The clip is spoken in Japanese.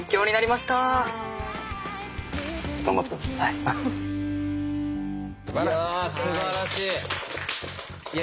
いやすばらしい。